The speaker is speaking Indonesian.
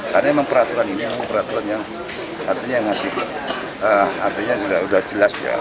karena emang peraturan ini adalah peraturan yang artinya masih artinya sudah jelas ya